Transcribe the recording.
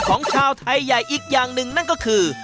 ของชาวไทยใหญ่อีกอย่างหนึ่งนั่นก็คือ